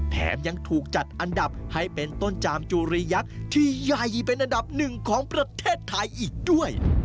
แถมยังถูกจัดอันดับให้เป็นต้นจามจุรียักษ์ที่ใหญ่เป็นอันดับหนึ่งของประเทศไทยอีกด้วย